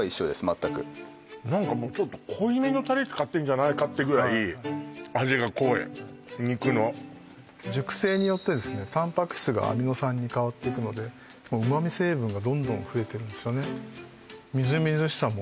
全く何かもうちょっと濃いめのタレ使ってんじゃないかってぐらい味が濃い肉の熟成によってですねタンパク質がアミノ酸に変わっていくので旨み成分がどんどん増えてるんですよねし